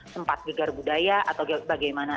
sempat gegar budaya atau bagaimana